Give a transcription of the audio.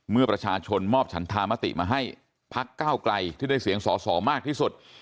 เมื่อประชาชนมอบฉันธามติมาให้พักก้าวไกลที่ได้เสียงสอสอมากที่สุด